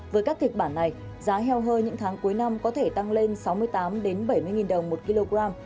với các kịch bản này giá heo hơi những tháng cuối năm có thể tăng lên sáu mươi tám bảy mươi đồng một kg